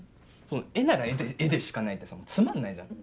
絵なら絵でしかないってつまんないじゃん。